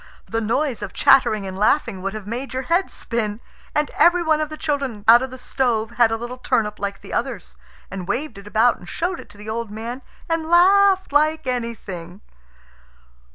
The noise of chattering and laughing would have made your head spin. And every one of the children out of the stove had a little turnip like the others, and waved it about and showed it to the old man, and laughed like anything.